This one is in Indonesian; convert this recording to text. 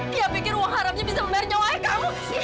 dia pikir uang harapnya bisa membayar nyawa kamu